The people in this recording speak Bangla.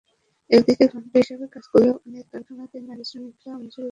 এদিকে ঘণ্টা হিসেবে কাজ করলেও অনেক কারখানাতেই নারী শ্রমিকেরা মজুরিবৈষম্যের শিকার হচ্ছেন।